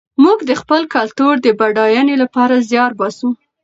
موږ د خپل کلتور د بډاینې لپاره زیار باسو.